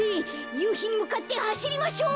ゆうひにむかってはしりましょう！